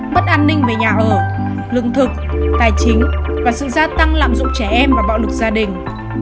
mất an ninh về nhà ở lương thực tài chính và sự gia tăng lạm dụng trẻ em và bạo lực gia đình